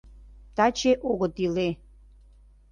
Таче огыт иле.